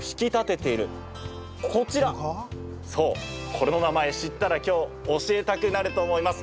これの名前、知ったら今日、教えたくなると思います。